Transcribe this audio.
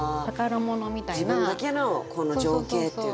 自分だけの情景っていう。